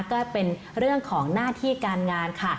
ก็เป็นเรื่องของหน้าที่การงานค่ะ